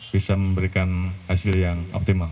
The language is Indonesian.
bisa memberikan hasil yang optimal